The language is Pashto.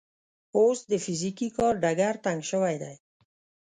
اوس د فزیکي کار ډګر تنګ شوی دی.